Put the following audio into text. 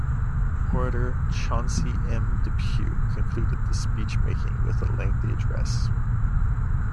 Orator Chauncey M. Depew concluded the speechmaking with a lengthy address.